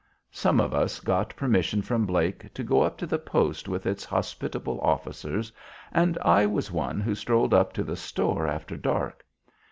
Some of us got permission from Blake to go up to the post with its hospitable officers, and I was one who strolled up to "the store" after dark.